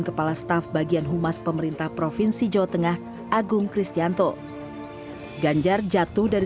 kepala staf bagian humas pemerintah provinsi jawa tengah agung kristianto ganjar jatuh dari